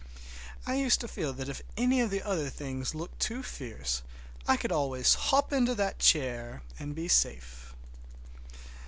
I used to feel that if any of the other things looked too fierce I could always hop into that chair and be safe.